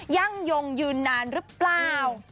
ยั่งยงยืนนานหรือเปล่า